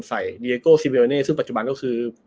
ดีเอโก้ซิเบลเน่ซึ่งปัจจุบันก็คือ